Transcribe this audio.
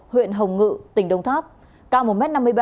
huyện hồng ngự tỉnh đồng tháp cao một m năm mươi ba